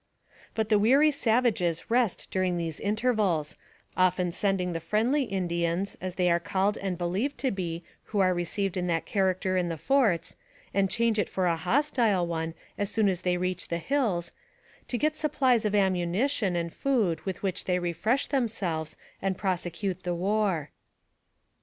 But the weary savages rest during these intervals, often sending the friendly Indians, as they are called and believed to be, who are received in that character in the forts, and change it for a hostile one, as soon as they reach the hills, to get supplies of ammunition and food with which they refresh themselves and prosecute the war.